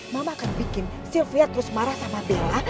mama akan bikin sylvia terus marah sama tila